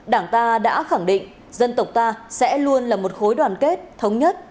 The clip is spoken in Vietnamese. đảng ta đã khẳng định dân tộc ta sẽ luôn là một khối đoàn kết thống nhất